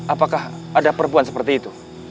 apakah ada perempuan seperti itu